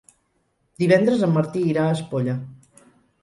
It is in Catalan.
Divendres en Martí irà a Espolla.